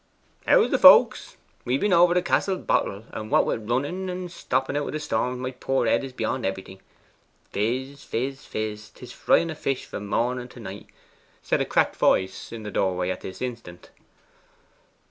'How's the folks? We've been over to Castle Boterel, and what wi' running and stopping out of the storms, my poor head is beyond everything! fizz, fizz fizz; 'tis frying o' fish from morning to night,' said a cracked voice in the doorway at this instant.